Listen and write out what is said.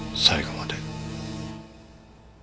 最後まで？